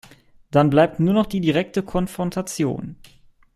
Dann bleibt nur noch die direkte Konfrontation.